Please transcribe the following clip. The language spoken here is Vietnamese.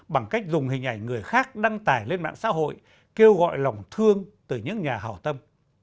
bằng cách dùng hình ảnh người khác đăng tải lên mạng xã hội kêu gọi lòng thương từ những nhà hào tâm